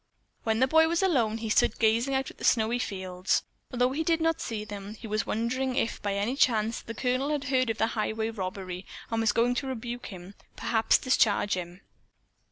When the boy was alone, he stood gazing out at the snowy fields, although he did not see them. He was wondering if by any chance the Colonel had heard of the highway robbery, and was going to rebuke him, perhaps discharge him.